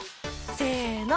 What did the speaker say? せの！